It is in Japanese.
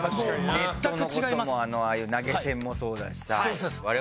ネットの事もああいう投げ銭もそうだしさ。